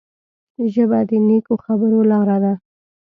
ژبه د نیکو خبرو لاره ده